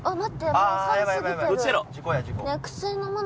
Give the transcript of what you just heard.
もう半過ぎてる。